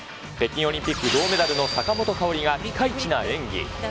北京オリンピック銅メダルの坂本花織が、ピカイチな演技。